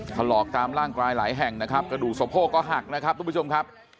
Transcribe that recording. ถลอกตามร่างกายหลายแห่งนะครับกระดูกสะโพกก็หักนะครับทุกผู้ชมครับ